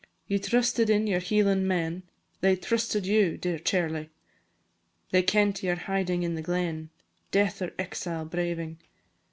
Ye trusted in your Hieland men, They trusted you, dear Charlie! They kent your hiding in the glen, Death or exile braving.